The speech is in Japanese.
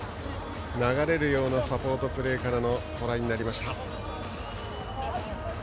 流れるようなサポートプレーからトライになりました。